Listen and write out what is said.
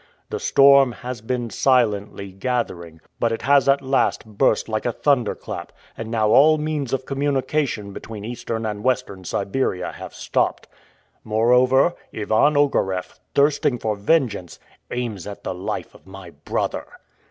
The storm has been silently gathering, but it has at last burst like a thunderclap, and now all means of communication between Eastern and Western Siberia have been stopped. Moreover, Ivan Ogareff, thirsting for vengeance, aims at the life of my brother!"